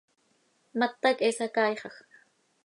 ¡Mata quih he sacaaixaj!